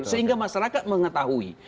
sehingga masyarakat mengetahui